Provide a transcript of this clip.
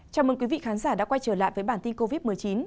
chào mừng quý vị khán giả đã quay trở lại với bản tin covid một mươi chín